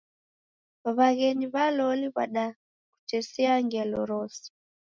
W'aghenyi w'a loli w'adakutesia ngelo rose.